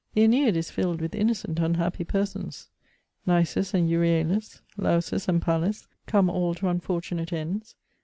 The Ænead is filled with innocent unhappy persons. Nisus and Euryalus, Lausus and Pallas, come all to unfortunate ends.